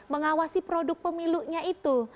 mengawasi produk pemilunya itu